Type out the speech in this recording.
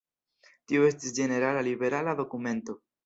Tio estis ĝenerala liberala dokumento.